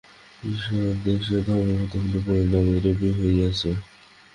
মিশরদেশীয় ধর্মমতগুলির পরিণাম এইরূপই হইয়াছিল।